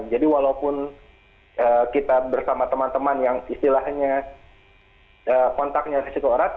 jadi walaupun kita bersama teman teman yang istilahnya kontaknya risiko erat